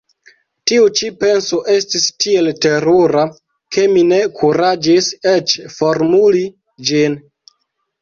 Tiu ĉi penso estis tiel terura, ke mi ne kuraĝis eĉ formuli ĝin.